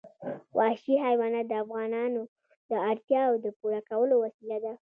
وحشي حیوانات د افغانانو د اړتیاوو د پوره کولو وسیله ده.